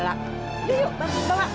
ya yuk bawa bawa gerak